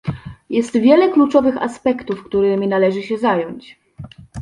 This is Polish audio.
Jest wiele kluczowych aspektów, którymi należy się zająć